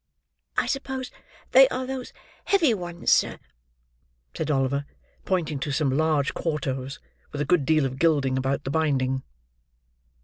"I suppose they are those heavy ones, sir," said Oliver, pointing to some large quartos, with a good deal of gilding about the binding.